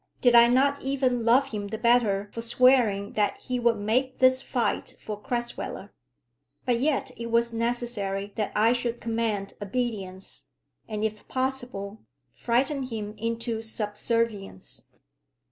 Did I not even love him the better for swearing that he would make this fight for Crasweller? But yet it was necessary that I should command obedience, and, if possible, frighten him into subservience.